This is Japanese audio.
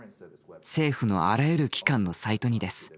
政府のあらゆる機関のサイトにです。